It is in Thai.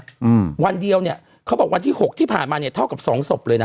อืมวันเดียวเนี้ยเขาบอกวันที่หกที่ผ่านมาเนี้ยเท่ากับสองศพเลยนะ